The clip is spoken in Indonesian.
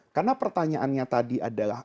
karena pertanyaannya tadi adalah